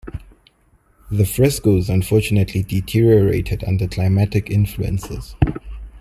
The frescos unfortunately deteriorated under climatic influences.